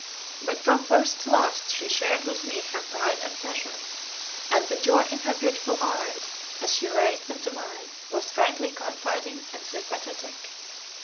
But from first to last she shared with me her pride and pleasure; and the joy in her beautiful eyes, as she raised them to mine, was frankly confiding and sympathetic.